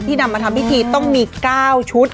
นำมาทำพิธีต้องมี๙ชุด